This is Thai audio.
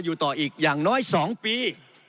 อยู่ต่ออีกอย่างน้อย๒ปี